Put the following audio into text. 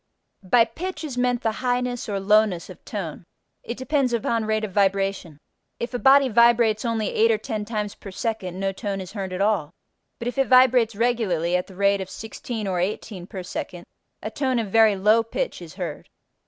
By pitch is meant the highness or lowness of tone. It depends upon rate of vibration. If a body vibrates only 8 or 10 times per second no tone is heard at all: but if it vibrates regularly at the rate of 16 or 18 per second a tone of very low pitch is heard.